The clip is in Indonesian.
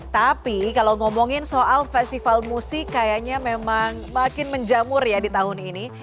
tapi kalau ngomongin soal festival musik kayaknya memang makin menjamur ya di tahun ini